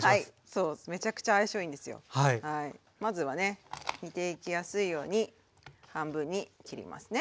まずはね煮ていきやすいように半分に切りますね。